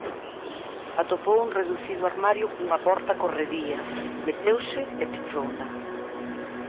Atopou un reducido armario cunha porta corredía; meteuse e pechouna.